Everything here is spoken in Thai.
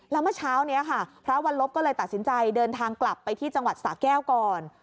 แล้วเมื่อเช้านี้ค่ะพระวันลบก็เลยตัดสินใจเดินทางกลับไปที่จังหวัดสะแก้วก่อน